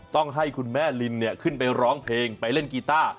ต้องให้คุณแม่ลินขึ้นไปร้องเพลงไปเล่นกีต้า